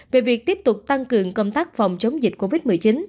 về việc tiếp tục tăng cường công tác phòng chống dịch covid một mươi chín